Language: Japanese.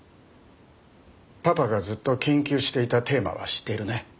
パパがずっと研究していたテーマは知っているね。